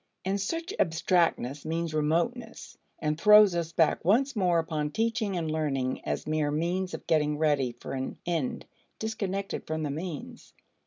And such abstractness means remoteness, and throws us back, once more, upon teaching and learning as mere means of getting ready for an end disconnected from the means.